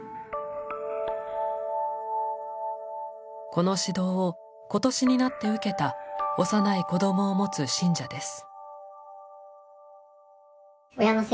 この指導を今年になって受けた幼い子供を持つ信者です。